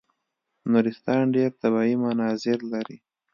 نورستان ډېر طبیعي مناظر لري.